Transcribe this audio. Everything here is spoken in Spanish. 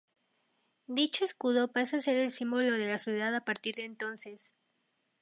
Dicho escudo pasa a ser el símbolo de la ciudad a partir de entonces.